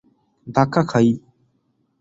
ধাক্কা খাই।